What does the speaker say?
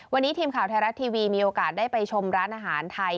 วันนี้ทีมข่าวไทยรัฐทีวีมีโอกาสได้ไปชมร้านอาหารไทย